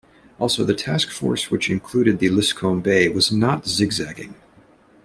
Also, the task force which included the "Liscome Bay" was not zigzagging.